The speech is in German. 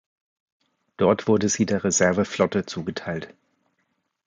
Dort wurde sie der Reserveflotte zugeteilt.